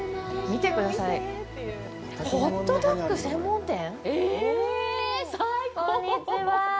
見てください、ホットドッグ専門店？